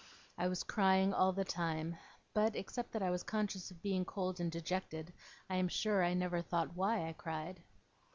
I was crying all the time, but, except that I was conscious of being cold and dejected, I am sure I never thought why I cried.